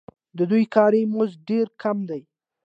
د دوی کاري مزد ډېر کم دی